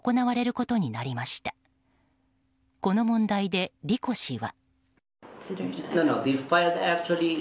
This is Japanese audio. この問題でリコ氏は。